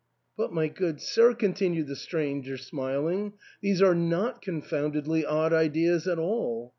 " But, my good sir, continued the stranger smiling, " these are not confoundedly odd ideas at all.